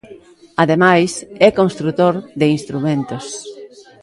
Ademais é construtor de instrumentos.